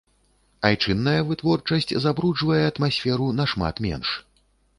Айчынная вытворчасць забруджвае атмасферу нашмат менш.